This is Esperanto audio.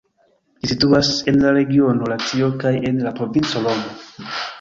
Ĝi situas en la regiono Latio kaj en la provinco Romo.